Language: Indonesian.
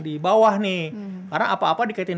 di bawah nih karena apa apa dikaitin